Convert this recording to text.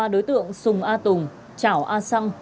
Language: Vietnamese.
ba đối tượng sùng a tùng chảo a săng